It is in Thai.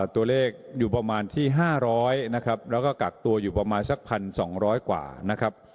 ตัวเลขอยู่ประมาณที่ห้าร้อยนะครับแล้วก็กักตัวอยู่ประมาณสักพันสองร้อยกว่านะครับ